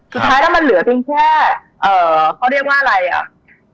สุดท้ายแล้วมันเหลือเพียงแค่เอ่อเขาเรียกว่าอะไรอ่ะ